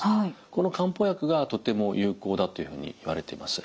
この漢方薬がとても有効だというふうにいわれています。